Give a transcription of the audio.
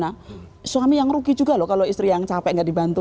ya kan kalau capek gimana suami yang rugi juga loh kalau istri yang capek tidak dibantu